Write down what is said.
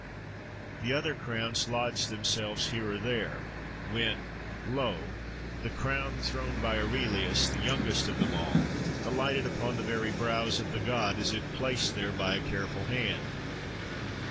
The other crowns lodged themselves here or there; when, Lo! the crown thrown by Aurelius, the youngest of them all, alighted upon the very brows of the god, as if placed there by a careful hand!